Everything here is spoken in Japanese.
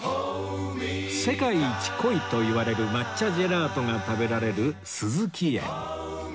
世界一濃いといわれる抹茶ジェラートが食べられる壽々喜園